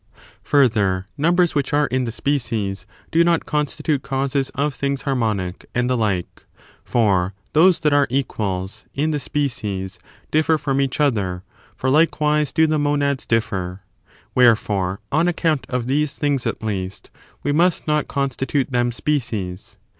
Further, numbers which are in the species do ..._. not constitute causes^ of thmgs harmonic, and the shown in the like ; for those that are equals in the species nrmberf'""'^ difier from each other, for likewise do the monads differ. Wherefore, on account of these things, at least, we must not constitute them species.